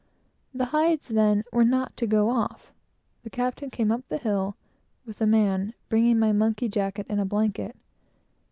The hides, then, were not to go off. The captain came up the hill, with a man, bringing my monkey jacket and a blanket.